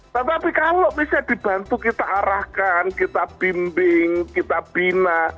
tetapi kalau bisa dibantu kita arahkan kita bimbing kita bina